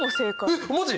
えっマジ！